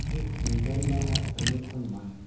Рух имгәнмәһә, өмөт һынмай.